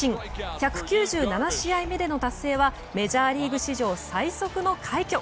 １９７試合目での達成はメジャーリーグ史上最速の快挙。